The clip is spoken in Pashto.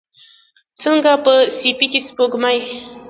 څنګه په سیپۍ کې سپوږمۍ